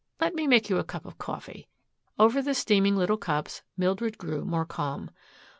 "Let me make you a cup of coffee." Over the steaming little cups Mildred grew more calm.